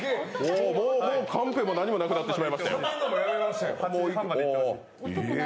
もうカンペも何もなくなってしまいましたよ。